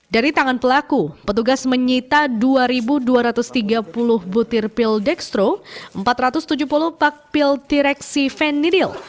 dari tangan pelaku petugas menyita dua dua ratus tiga puluh butir pil destro empat ratus tujuh puluh pak pil direksi venil